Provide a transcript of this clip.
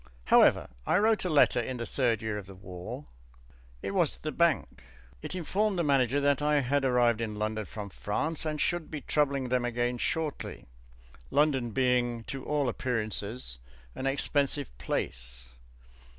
However, I wrote a letter in the third year of the war; it was to the bank. It informed the Manager that I had arrived in London from France and should be troubling them again shortly, London being to all appearances an expensive place.